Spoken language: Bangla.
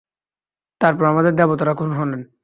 তারপর আমাদের দেবতারা খুন হলেন।